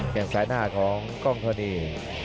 แก้งซ้ายหน้าของกล้องทอดี